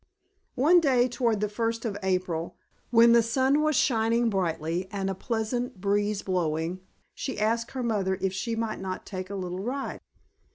One day toward the first of April, when the sun was shining brightly and a pleasant breeze blowing, she asked her mother if she might not take a little ride.